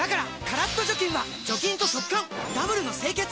カラッと除菌は除菌と速乾ダブルの清潔！